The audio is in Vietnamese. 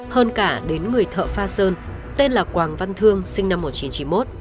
hơn cả đến người thợ pha sơn tên là quảng văn thương sinh năm một nghìn chín trăm chín mươi một